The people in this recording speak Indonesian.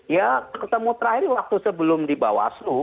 ya ketemu terakhir waktu sebelum di bawaslu